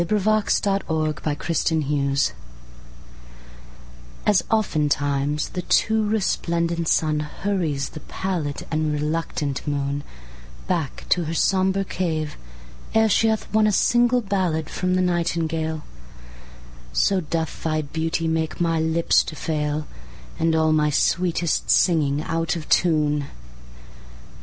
Poems. 1881. 57. Silentium Amoris AS oftentimes the too resplendent sunHurries the pallid and reluctant moonBack to her sombre cave, ere she hath wonA single ballad from the nightingale, So doth thy Beauty make my lips to fail, And all my sweetest singing out of tune.